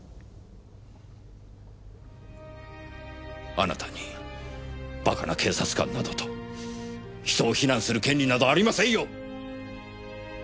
あなたにバカな警察官などと人を非難する権利などありませんよ！